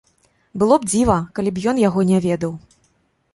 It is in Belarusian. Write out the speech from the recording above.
Было б дзіва, калі б ён яго не ведаў.